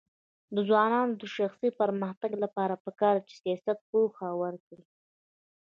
د ځوانانو د شخصي پرمختګ لپاره پکار ده چې سیاست پوهه ورکړي.